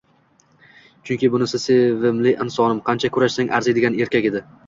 Chunki bunisi sevimli insonim, qancha kurashsang arziydigan erkak edi